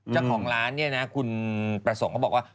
เจ้าของร้านเนี่ยนะคุณประสงค์เขาบอกว่า